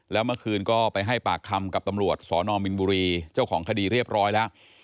แล้วเมื่อคืนก็ไปให้ปากคำกับตำรวจสนมินบุรีเจ้าของคดีเรียบร้อยแล้ว